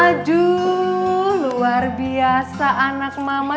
aduh luar biasa anak mama